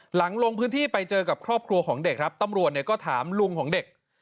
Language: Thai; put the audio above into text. ลงพื้นที่ไปเจอกับครอบครัวของเด็กครับตำรวจเนี่ยก็ถามลุงของเด็ก